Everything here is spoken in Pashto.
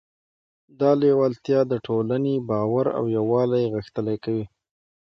دا لیوالتیا د ټولنې باور او یووالی غښتلی کوي.